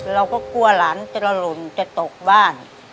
เราก็กลัวหลานจะระหล่นจะตกบ้าน